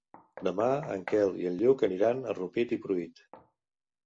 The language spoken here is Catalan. Demà en Quel i en Lluc aniran a Rupit i Pruit.